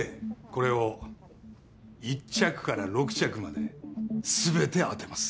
これを１着から６着まで全て当てます。